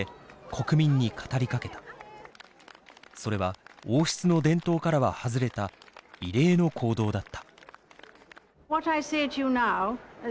それは王室の伝統からは外れた異例の行動だった。